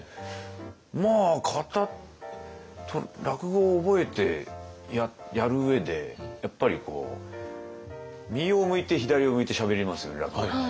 まあ型落語を覚えてやる上でやっぱり右を向いて左を向いてしゃべりますよね落語って。